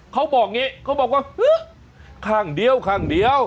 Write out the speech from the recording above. เขาบอกอย่างนี้เขาบอกว่าฮึข้างเดียวข้างเดียว